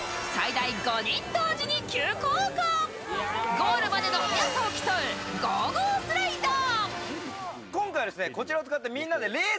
ゴールまでの速さを競うＧＯＧＯスライダー。